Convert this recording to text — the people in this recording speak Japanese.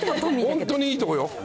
本当にいいとこよ。